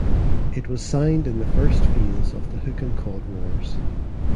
It was signed in the first phase of the Hook and Cod wars.